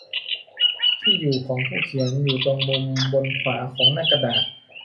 ที่อยู่ของผู้เขียน อยู่ตรงมุมบนขวาของหน้ากระดาษ